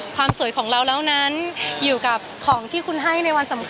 สวยของเราแล้วนั้นอยู่กับของที่คุณให้ในวันสำคัญ